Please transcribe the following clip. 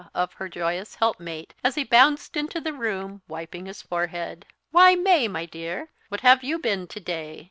of her joyous helpmate, as he bounced into the room, wiping his forehead. "'Why, May, my dear, what have you been to day?